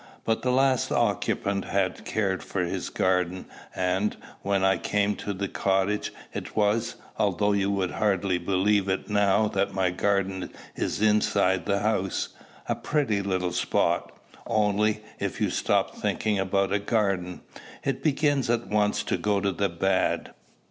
But the last occupant had cared for his garden; and, when I came to the cottage, it was, although you would hardly believe it now that my garden is inside the house, a pretty little spot, only, if you stop thinking about a garden, it begins at once to go to the bad.